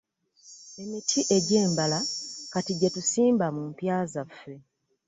Emiti egy'embala kati gye tusimba mumpya zaffe.